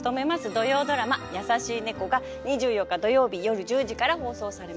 土曜ドラマ「やさしい猫」が２４日土曜日よる１０時から放送されます。